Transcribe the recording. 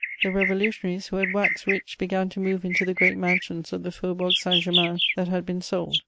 The Revolutionaries who had waxed rich began to move into the great mansions of the Faubourg Saint Germain that had been sold.